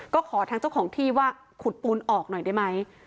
ก็ขอทางเจ้าของที่ว่าขุดปูนออกหน่อยได้ไหม